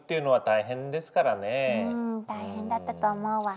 大変だったと思うわ。